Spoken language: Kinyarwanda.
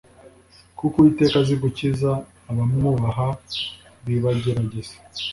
«Kuko Uwiteka azi gukiza abamwubaha ibibagerageza.»